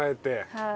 はい。